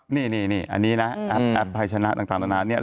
นี่อันนี้นะแอปไทยชนะต่างต่าง